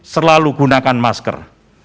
selalu gunakan masker